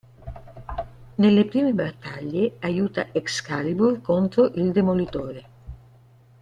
Nelle prime battaglie aiuta Excalibur contro il Demolitore.